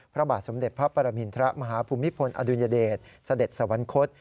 พระบาทสมเด็จพระปรมินทรมาฮภูมิพลอดุลยเดชเสด็จสวรรคต